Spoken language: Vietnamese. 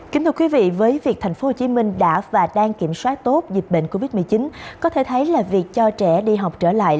kính thưa quý vị với việc tp hcm đã và đang kiểm soát tốt dịch bệnh covid một mươi chín có thể thấy là việc cho trẻ đi học trở lại